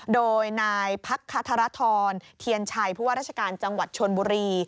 โดยนายพักคธรทรเทียนชัยผู้ว่าราชการจังหวัดชนบุรี